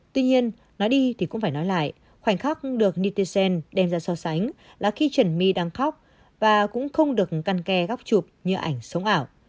tuy nhiên nói đi thì cũng phải nói lại khoảnh khắc được niticen đem ra so sánh là khi trần my đang khóc và cũng không được căn kè góc chụp như ảnh sống ảo